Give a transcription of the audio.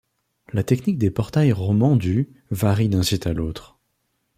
La technique des portails romands du varie d'un site à l'autre.